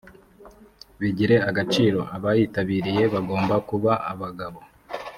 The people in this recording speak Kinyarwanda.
bigire agaciro abayitabiriye bagomba kuba abagabo